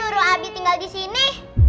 suruh abi tinggal disini